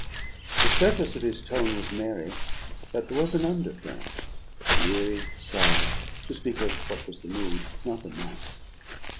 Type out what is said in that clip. The surface of his tone was merry, but there was an undercurrent, weary sad, to speak of what was the mood, not the manner.